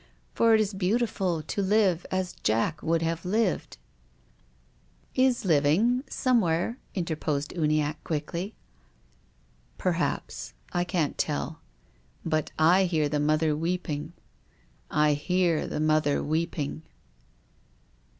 For it is beautiful to live as Jack would have lived." " Is living — somewhere," interposed Uniacke quickly. " Perhaps. I can't tell. But I hear the mother weeping. I hear the mother weeping."